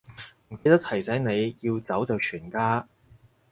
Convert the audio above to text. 唔記得提醒你，要走就全家